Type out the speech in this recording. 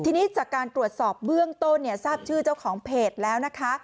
ทีนี้จากการตรวจสอบเบื้องต้นเนี่ยทราบชื่อเจ้าของเพจแล้วนะคะ